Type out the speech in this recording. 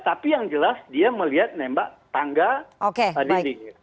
tapi yang jelas dia melihat menembak tangga di dinding